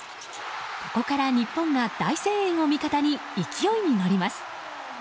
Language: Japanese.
ここから日本が大声援を味方に勢いに乗ります。